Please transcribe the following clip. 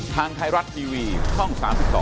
ทางไทยรัฐทีวีช่อง๓๒